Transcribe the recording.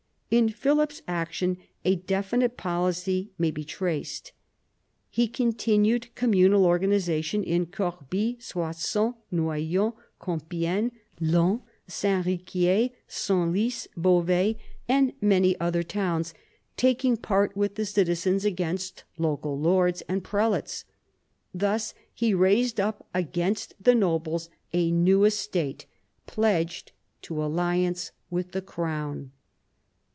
In Philip's action a definite policy may be traced. He continued communal organisation in Corbie, Soissons, Noyon, Compiegne, Laon, S. Eiquier, Senlis, Beauvais, and many other v THE ADVANCE OF THE MONARCHY 151 towns, taking part with the citizens against local lords and prelates. Thus he raised up against the nobles a new estate pledged to alliance with the crown.